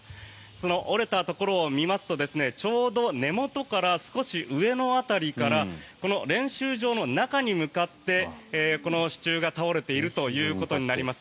その折れたところを見ますとちょうど根元から少し上の辺りからこの練習場の中に向かってこの支柱が倒れているということになります。